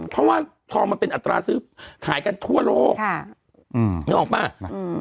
เพราะว่าทองมันเป็นอัตราซื้อขายกันทั่วโลกนึกออกป่ะ